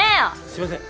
すみません。